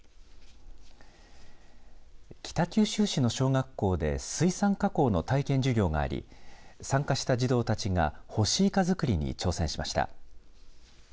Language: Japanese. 北九州市の小学校で水産加工の体験授業があり参加した児童たちが干しいかづくりに挑戦しました。